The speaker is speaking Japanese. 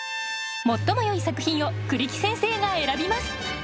最もよい作品を栗木先生が選びます。